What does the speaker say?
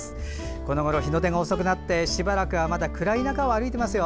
このごろ日の出が遅くなってしばらくはまだ暗い中を歩いていますよ。